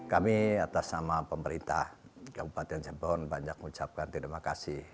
kami atas nama pemerintah kabupaten cirebon banyak mengucapkan terima kasih